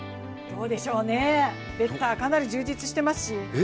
どうでしょうね、ベッター、かなり充実してますし。